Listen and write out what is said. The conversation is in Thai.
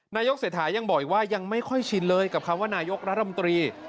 นายกเศรษฐายังบอกอีกว่ายังไม่ค่อยชินเลยกับคำว่านายกรัฐมนตรี